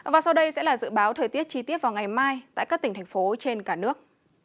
và sau đây sẽ là dự báo thời tiết chi tiết vào ngày mai tại các tỉnh thành phố trên cả nước